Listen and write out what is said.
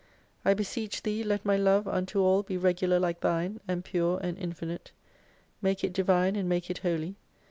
I beseech Thee let my love unto all be regular like Thine, and pure, and infinite. Make it Divine and make it Holy.